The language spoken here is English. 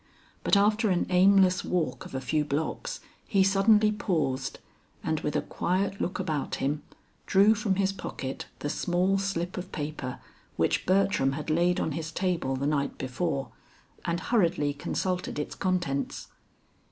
But after an aimless walk of a few blocks, he suddenly paused, and with a quiet look about him, drew from his pocket the small slip of paper which Bertram had laid on his table the night before, and hurriedly consulted its contents.